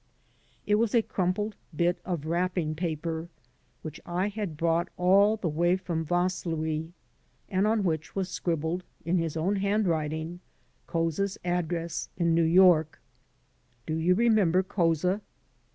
It was a crumpled bit of wrapping paper which I had brought all the way from Vaslui and on which was scribbled in his own handwriting Couza's address in New York. Do you remember Couza?